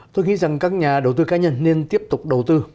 tôi nghĩ rằng các nhà đầu tư cá nhân nên tiếp tục đầu tư